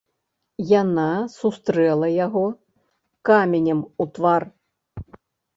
Яна сустрэла яго каменем у твар.